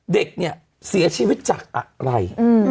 เด็กเสียชีวิตจากอะไร